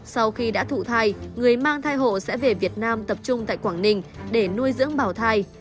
sau khi đã thụ thai người mang thai hộ sẽ về việt nam tập trung tại quảng ninh để nuôi dưỡng bảo thai